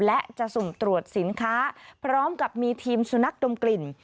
และจะสุ่มตรวจสินค้าพร้อมกับมีทีมสุนัขดมกลิ่น